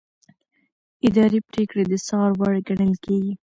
اداري پریکړې د څار وړ ګڼل کېږي.